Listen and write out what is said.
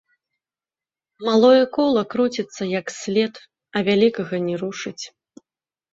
Малое кола круціцца як след, а вялікага не рушыць.